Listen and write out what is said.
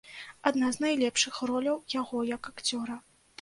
Адна з найлепшых роляў яго як акцёра.